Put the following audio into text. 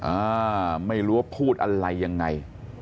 อ่าไม่รู้ว่าพูดอะไรยังไง